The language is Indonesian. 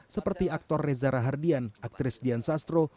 seperti aktor rezara hardian aktris dian sastro